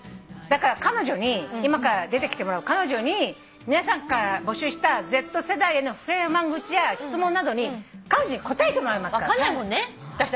だから今から出てきてもらう彼女に皆さんから募集したＺ世代への不平不満愚痴や質問などに彼女に答えてもらいますから。